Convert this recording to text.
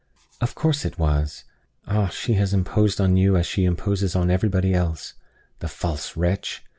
"Of course it was. Ah! she has imposed on you as she imposes on everybody else. The false wretch!